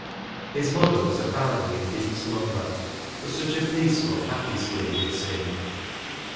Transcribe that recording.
His mother was apparently in deep slumber, but such a peaceful, happy sleep it seemed.